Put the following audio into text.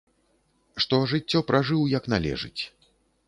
Што жыццё пражыў, як належыць.